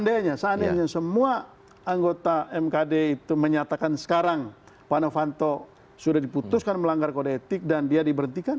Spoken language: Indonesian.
seandainya seandainya semua anggota mkd itu menyatakan sekarang pak novanto sudah diputuskan melanggar kode etik dan dia diberhentikan